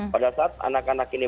pada saat anak anak ini